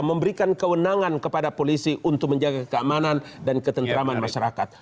memberikan kewenangan kepada polisi untuk menjaga keamanan dan ketentraman masyarakat